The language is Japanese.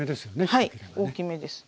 はい大きめです。